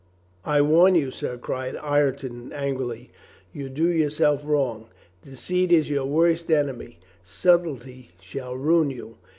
"I warn you, sir," cried Ireton angrily, "you do yourself wrong. Deceit is your worst enemy. Sub tlety shall ruin you.